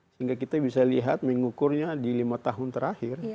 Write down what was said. sehingga kita bisa lihat mengukurnya di lima tahun terakhir